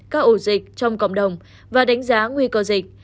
các ổ dịch trong cộng đồng và đánh giá nguy cơ dịch